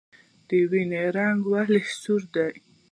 د وینې رنګ ولې سور دی